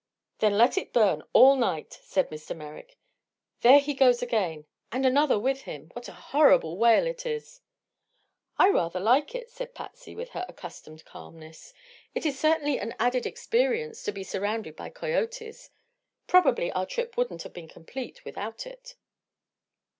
"Then let it burn all night," said Mr. Merrick. "There he goes again and another with him! What a horrible wail it is." "I rather like it," said Patsy, with her accustomed calmness. "It is certainly an added experience to be surrounded by coyotes. Probably our trip wouldn't have been complete without it."